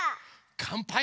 かんぱーい！